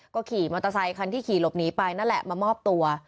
ก็ขี่มอเตอร์ไซคันที่ขี่หลบหนีไปนั่นแหละมามอบตัว